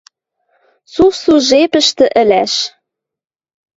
Сусу жепӹштӹ ӹлӓш.